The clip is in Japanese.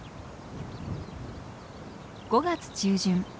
５月中旬。